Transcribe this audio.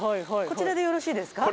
こちらでよろしいですか？